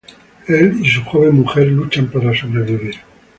Él y su joven mujer luchan para sobrevivir.